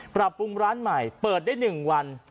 ปรับปรุงร้านใหม่เปิดได้๑วัน